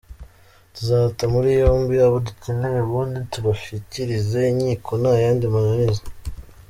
Tuzata muri yombi abo dukeneye ubundi tubashyikirize inkiko nta yandi mananiza.